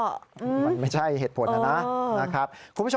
มันไม่ใช่เหตุผลนั้นนะนะครับ